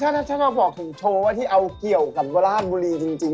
ถ้าฉันมาบอกถึงโชว์ว่าที่เอาเกี่ยวกับราชบุรีจริง